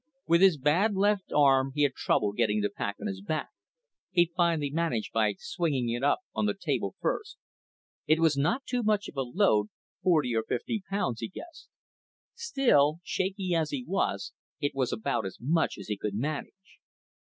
With his bad left arm, he had trouble getting the pack on his back. He finally managed by swinging it up on the table first. It was not too much of a load, forty or fifty pounds he guessed. Still, shaky as he was, it was about as much as he could manage.